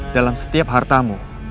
dalam setiap hartamu